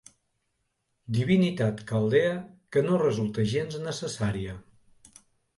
Divinitat caldea que no resulta gens necessària.